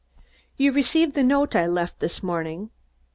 "You received the note I left this morning?"